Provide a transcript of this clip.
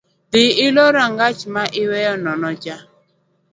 Dhii ilor rangach ma iweyo nono cha